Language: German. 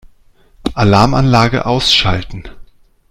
Alarmanlage ausschalten.